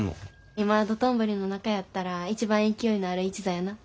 今道頓堀の中やったら一番勢いのある一座やな。